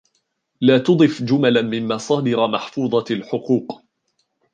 لا تضف جملا من مصادر محفوظة الحقوق.